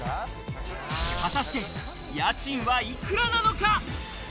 果たして、家賃は幾らなのか？